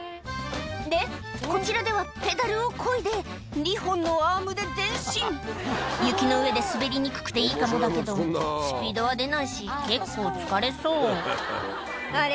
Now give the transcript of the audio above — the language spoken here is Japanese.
でこちらではペダルをこいで２本のアームで前進雪の上で滑りにくくていいかもだけどスピードは出ないし結構疲れそうあれ？